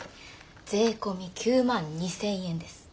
税込み９万２，０００円です。